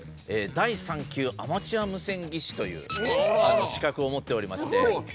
「第三級アマチュア無線技士」という資格を持っておりまして。